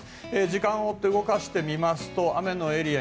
時間を追って動かしてみますと雨のエリア